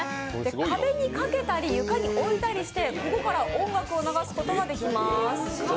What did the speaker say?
壁にかけたり床に置いたりしてここから音楽を流すことができます。